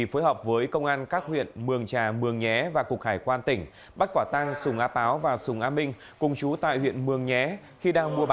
phối hợp với công an các huyện mường trà mường nhé và cục hải quan tỉnh bắt quả tang sùng a páo và sùng a minh